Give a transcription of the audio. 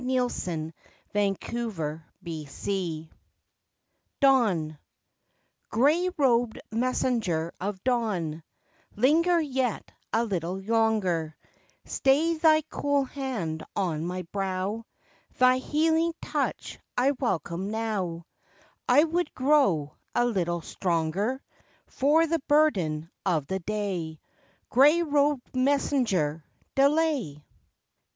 LIFE WAVES 81 DAWN Grey robed messenger of dawn, Linger yet a little longer, Stay thy cool hand on my brow, Thy healing touch I welcome now, I would grow a little stronger For the burden of the day, Grey robed messenger, delay.